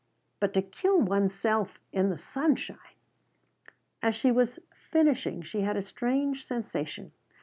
But to kill one's self in the sunshine!" As she was finishing she had a strange sensation.